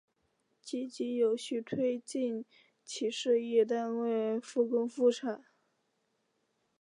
积极有序推进企事业单位复工复产